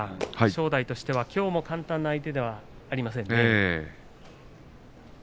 正代としてはきょうも簡単な相手ではありませんね。